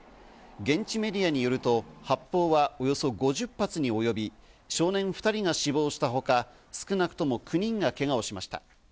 現地メディアによると発砲はおよそ５０発におよび、少年２人が死亡したほか、少なくとも９人がけがをしました。